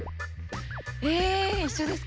え一緒ですかね？